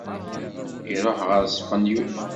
Iṛuḥ ɣer Spenyul.